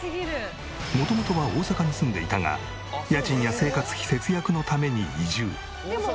元々は大阪に住んでいたが家賃や生活費節約のために移住。